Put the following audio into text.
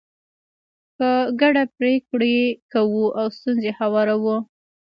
په ګډه پرېکړې کوو او ستونزې هواروو.